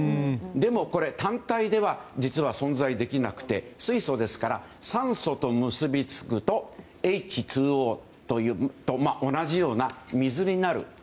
でもこれ、単体では実は存在できなくて水素ですから酸素と結びつくとＨ２Ｏと同じような水になる。